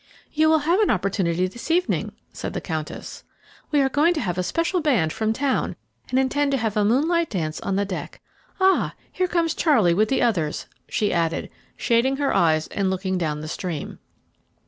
"You will have an opportunity this evening," said the Countess; "we are going to have a special band from town, and intend to have a moonlight dance on deck. Ah! here comes Charlie with the others," she added, shading her eyes and looking down the stream.